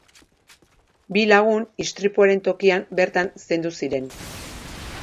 Bi lagun istripuaren tokian bertan zendu ziren.